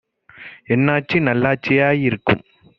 என்னாட்சி நல்லாட்சி யாயி ருக்கும்!